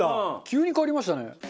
急に変わりましたね。